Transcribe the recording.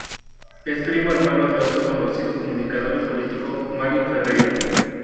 Es primo hermano de otro conocido comunicador y político, Mario Ferreiro.